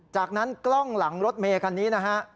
จากนั้นกล้องหลังรถเมคันนี้นะฮะ